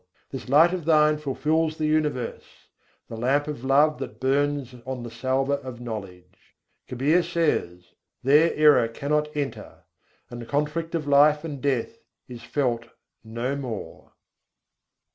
This Light of Thine fulfils the universe: the lamp of love that burns on the salver of knowledge. Kabîr says: "There error cannot enter, and the conflict of life and death is felt no more." XVIII II.